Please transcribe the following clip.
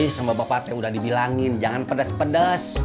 sama bapak patnya udah dibilangin jangan pedes pedes